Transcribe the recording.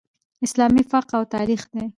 اسلامي فقه او تاریخ دئ.